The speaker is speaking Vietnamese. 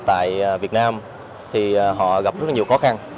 khởi nghiệp tại việt nam thì họ gặp rất nhiều khó khăn